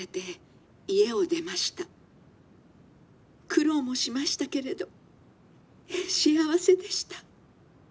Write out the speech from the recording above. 苦労もしましたけれど幸せでした。